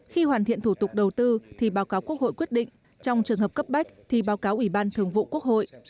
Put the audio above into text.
khi hoàn thiện thủ tục đầu tư thì báo cáo quốc hội quyết định trong trường hợp cấp bách thì báo cáo ủy ban thường vụ quốc hội